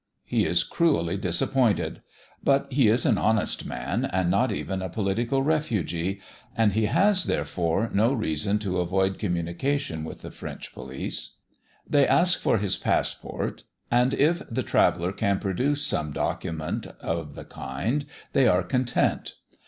He is cruelly disappointed; but he is an honest man, and not even a political refugee, and he has, therefore, no reason to avoid communication with the French police. They ask for his passport, and if the traveller can produce some document of the kind they are content.